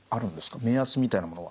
目安みたいなものは。